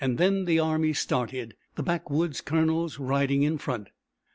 Then the army started, the backwoods colonels riding in front.